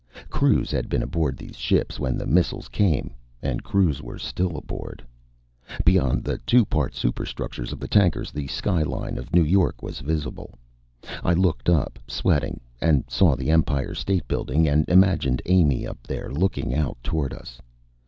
Crews had been aboard these ships when the missiles came, and crews were still aboard. Beyond the two part superstructures of the tankers, the skyline of New York was visible. I looked up, sweating, and saw the Empire State Building and imagined Amy up there, looking out toward us.